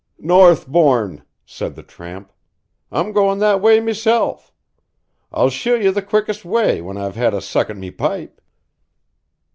"Northbourne," said the tramp. "I'm goin' that way meself. I'll shew you the quickest way when I've had a suck at me pipe."